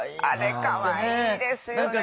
あれかわいいですよね。